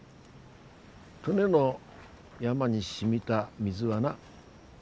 登米の山にしみた水はな